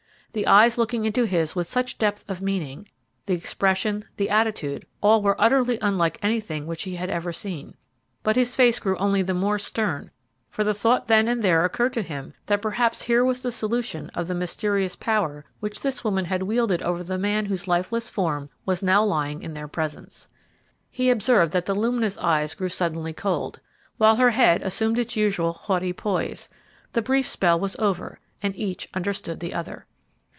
The eyes looking into his with such depth of meaning, the expression, the attitude, all were utterly unlike anything which he had ever seen; but his face grew only the more stern, for the thought then and there occurred to him that perhaps here was the solution of the mysterious power which this woman had wielded over the man whose lifeless form was now lying in their presence. He observed that the luminous eyes grew suddenly cold, while her head assumed its usual haughty poise; the brief spell was over, and each understood the other.